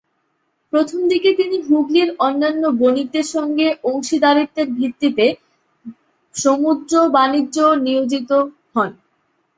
প্রথমদিকে তিনি হুগলির অন্যান্য বণিকদের সঙ্গে অংশীদারিত্বের ভিত্তিতে সমুদ্র-বাণিজ্যে নিয়োজিত হন।